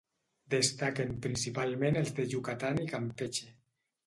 Destaquen principalment els de Yucatán i Campeche.